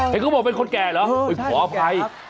เห็นเขาหมอกเป็นคนแก่ก็โหลขออภัย